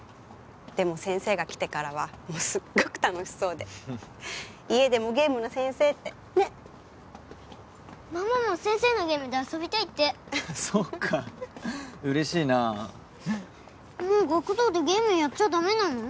でも先生が来てからはすっごく楽しそうで家でも「ゲームの先生」ってねえママも先生のゲームで遊びたいってそっか嬉しいなあもう学童でゲームやっちゃダメなの？